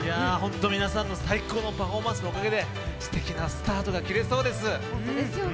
皆さんの最高のパフォーマンスのおかげですてきなスタートが切れそうです。